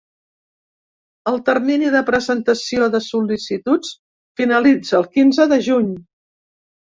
El termini de presentació de sol·licituds finalitza el quinze de juny.